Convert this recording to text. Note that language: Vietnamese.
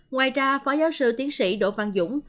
ngoài ra phó giáo sư tiến sĩ đỗ văn dũng